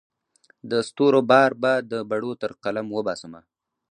د ستورو بار به د بڼو تر قلم وباسمه